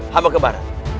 hama ke barat